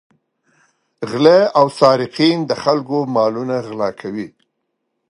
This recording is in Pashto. غله او سارقین د خلکو مالونه غلا کوي.